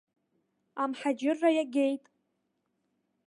Амҳаџьырра иагеит!